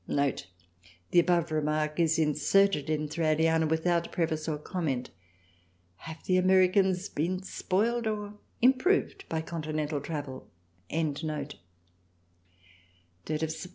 [The above remark is inserted in Thraliana without preface or comment. Have the Americans been spoiled or improved by Continental travel?] 3rd Sept.